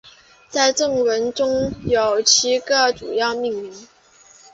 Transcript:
在正文中有七个主要命题。